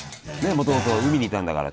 もともと海にいたんだから。